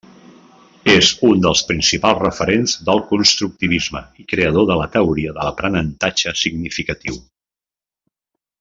És un dels principals referents del constructivisme i creador de la teoria de l'aprenentatge significatiu.